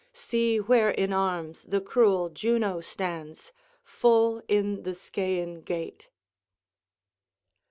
See where in arms the cruel Juno stands, Full in the Scæan gate."